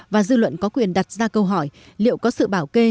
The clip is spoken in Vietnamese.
và dư luận có quyền đặt ra câu hỏi liệu có sự bảo kê